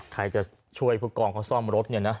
ใครจะช่วยผู้กองเขาซ่อมรถเนี่ยนะ